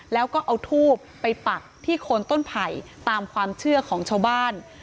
แล้วก็เอาทูบไปปักที่โคนต้นไผ่ตามความเชื่อของชาวบ้าน